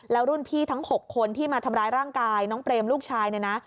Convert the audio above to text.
แล้วรุ่นพี่ทั้ง๖คนที่มาทำร้ายร่างกายน้องเปรมลูกชายเนี่ยนะ